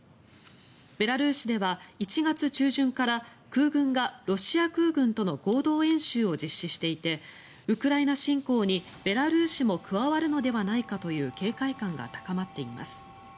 ベラルーシでは１月中旬から空軍がロシア空軍との合同演習を実施していてウクライナ侵攻にベラルーシも加わるのではないかという警戒感が高まっています。